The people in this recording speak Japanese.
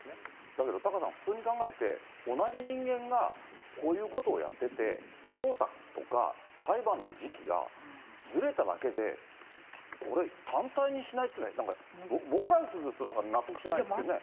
だけどタカさん、普通に考えて、同じ人間がこういうことをやってて、捜査とか、裁判の時期がずれただけで、これ単体にしないっていうのは、なんか僕らからすると、なんか納得しないですけどね。